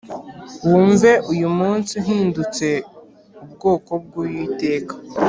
wumve uyu munsi uhindutse ubwoko bw Uwiteka